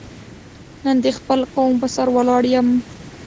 نن د خپل قوم په سر ولاړ یم.